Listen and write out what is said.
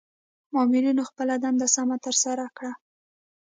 مامورنیو خپله دنده سمه ترسره کړه.